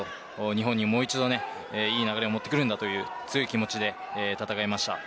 日本にもう一度いい流れをもってくるという気持ちで戦いました。